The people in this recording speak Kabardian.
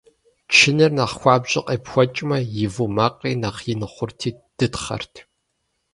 Чыныр нэхъ хуабжьу къепхуэкӀмэ, и вуу макъри нэхъ ин хъурти дытхъэрт.